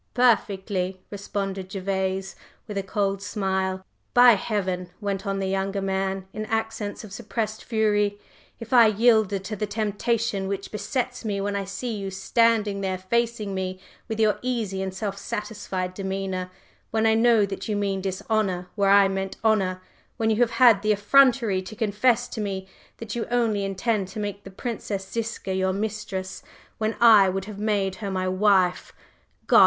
"Perfectly!" responded Gervase, with a cool smile. "By Heaven!" went on the younger man, in accents of suppressed fury, "if I yielded to the temptation which besets me when I see you standing there facing me, with your easy and self satisfied demeanor, when I know that you mean dishonor where I meant honor, when you have had the effrontery to confess to me that you only intend to make the Princess Ziska your mistress when I would have made her my wife, God!